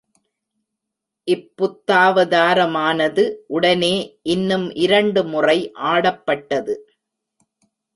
இப் புத்தாவதாரமானது, உடனே இன்னும் இரண்டு முறை ஆடப்பட்டது.